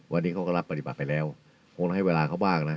วันนี้เขาก็รับปฏิบัติไปแล้วคงให้เวลาเขาบ้างนะ